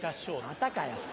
またかよ。